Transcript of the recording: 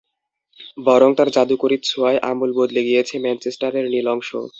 বরং তাঁর জাদুকরি ছোঁয়ায় আমূল বদলে গিয়েছে ম্যানচেস্টারের নীল অংশ।